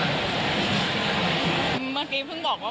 แต่ว่าถ้ามีคนชวนก็ไป